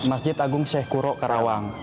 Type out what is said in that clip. masjid agung sheikh kuro karawang